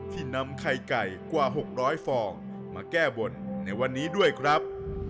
นำไข่ไก่กว่า๖๐๐ฟองมาแก้บนในวันนี้ด้วยครับ